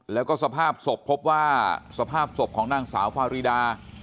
แล้วก็สภาพศพพบว่าสภาพศพของนางสาวฟารีดา